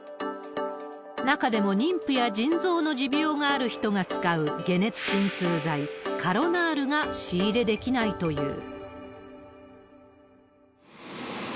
中でも妊婦や腎臓の持病がある人が使う解熱鎮痛剤、カロナールが仕入れできないという。